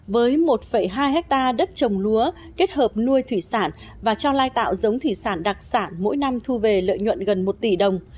với một hai hectare đất trồng lúa kết hợp nuôi thủy sản và cho lai tạo giống thủy sản đặc sản mỗi năm thu về lợi nhuận gần một tỷ đồng